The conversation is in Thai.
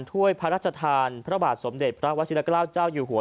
ถ้วยพระราชทานพระบาทสมเด็จพระวชิลเกล้าเจ้าอยู่หัว